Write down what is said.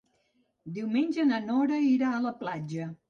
Diumenge na Nora irà a la platja.